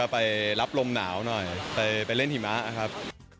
ไปรับลมหนาวหน่อยไปเล่นหิมะครับ